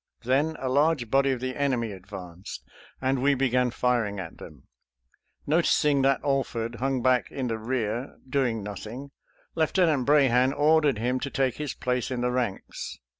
Then a large body of the enemy advanced, and we began firing at them. Noticing that Alford hung back in the rear, doing nothing. Lieutenant Brahan ordered him to take his place in the ranks.